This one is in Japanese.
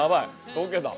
溶けた。